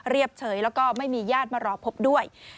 เฉยแล้วก็ไม่มีญาติมารอพบด้วย